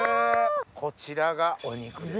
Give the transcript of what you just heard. こちらがお肉ですね。